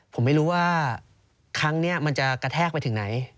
ผมไม่รู้ว่าครั้งนี้มันจะกระแทกไปถึงไหน